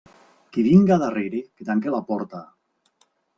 Qui vinga darrere, que tanque la porta.